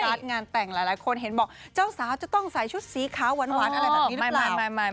งานแต่งหลายคนเห็นบอกเจ้าสาวจะต้องใส่ชุดสีขาวหวานอะไรแบบนี้มากมาย